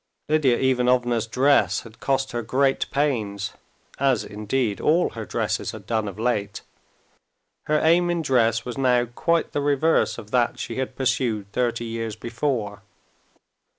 Lidia Ivanovna's dress had cost her great pains, as indeed all her dresses had done of late. Her aim in dress was now quite the reverse of that she had pursued thirty years before.